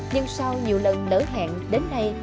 nhưng sau nhiều lần nở hẹn đến nay